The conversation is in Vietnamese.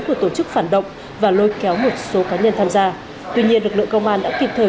của tổ chức phản động và lôi kéo một số cá nhân tham gia tuy nhiên lực lượng công an đã kịp thời